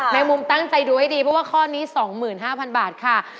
มุมตั้งใจดูให้ดีเพราะว่าข้อนี้๒๕๐๐๐บาทค่ะ